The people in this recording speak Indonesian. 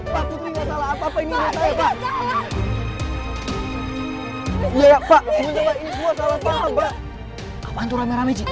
pak putri gak salah apa apa ini masalah pak